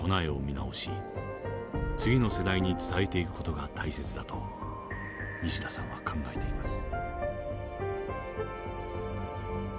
次の世代に伝えていく事が大切だと西田さんは考えています。